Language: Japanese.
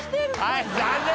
はい残念！